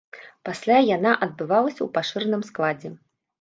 Пасля яна адбывалася ў пашыраным складзе.